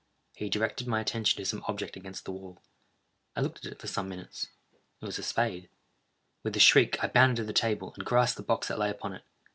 He directed my attention to some object against the wall. I looked at it for some minutes: it was a spade. With a shriek I bounded to the table, and grasped the box that lay upon it.